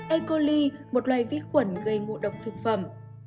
e coli một loại vết khuẩn gây ngộ độc thực phẩm